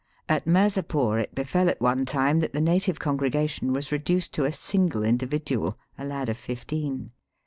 At Mirzapore it befel at one time that the native congregation was reduced to a single individual, a lad of fifteen.